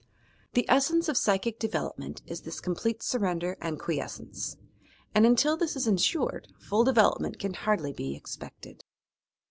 The essence of psychie development is this complete surrender and quiescence, and until this is insured, full development can hardly be expected.